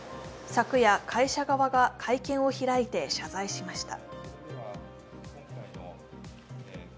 昨夜会社側が会見を開いて謝罪しました。